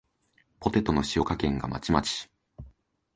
ポテトの塩加減がまちまち